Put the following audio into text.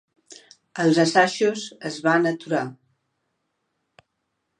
Els assajos es van aturar.